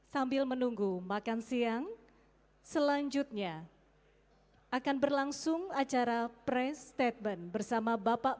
sambil menunggu makan siang selanjutnya akan berlangsung acara press statement bersama bapak